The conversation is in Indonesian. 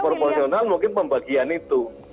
proporsional mungkin pembagian itu